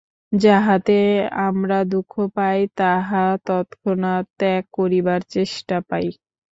যাহাতে আমরা দুঃখ পাই, তাহা তৎক্ষণাৎ ত্যাগ করিবার চেষ্টা পাই।